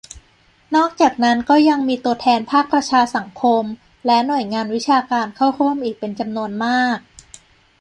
นอกจากนั้นก็ยังมีตัวแทนภาคประชาสังคม และ หน่วยงานวิชาการเข้าร่วมอีกเป็นจำนวนมาก